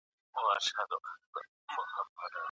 قرآن کريم د زوجينو تر منځ د نفرت او فراق مخه نيسي.